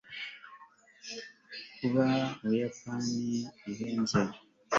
kuba mu buyapani bihenze